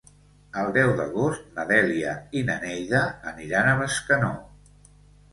El deu d'agost na Dèlia i na Neida aniran a Bescanó.